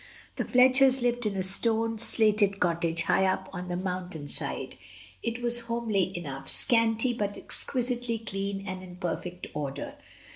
The Fletchers lived in a stone, slated cottage high up on the mountain 14 MRS. DYMOND. side; it was homely enough, scanty, but exquisitely clean and in perfect order.